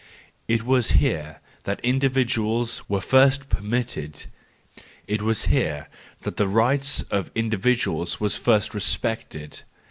It was here that individuals were first permitted, it was here that the right of individuals was first respected.